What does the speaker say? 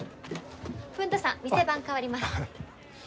文太さん店番代わります。